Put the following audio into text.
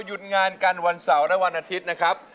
หยุดงานกันวันเสาร์และวันอาทิตย์นะครับ